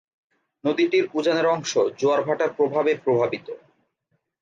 নদীটির উজানের অংশ জোয়ার ভাটার প্রভাবে প্রভাবিত।